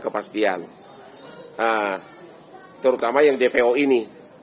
kepastian terutama yang dpo ini